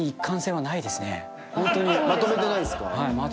はいまとめてないです。